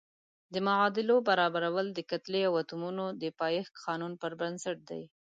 د معادلو برابرول د کتلې او اتومونو د پایښت قانون پر بنسټ دي.